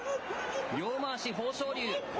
両まわし、豊昇龍。